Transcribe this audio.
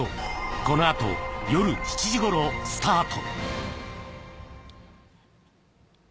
この後、夜７時頃スタート。